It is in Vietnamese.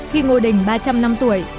khi ngôi đình ba trăm linh năm tuổi